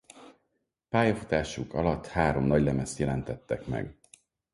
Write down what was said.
Pályafutásuk alatt három nagylemezt jelentettek meg.